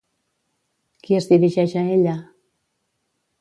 Qui es dirigeix a ella?